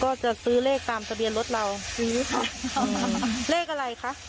ก็จะซื้อเลขตามทะเบียนรถเราซื้อค่ะเลขอะไรคะ